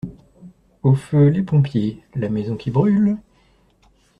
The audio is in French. Au feu les pompiers, la maison qui brûle.